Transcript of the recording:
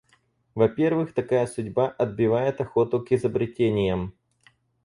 Во-первых, такая судьба отбивает охоту к изобретениям.